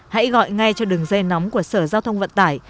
hãy gọi ngay cho đường dây nóng của sở giao thông vận tải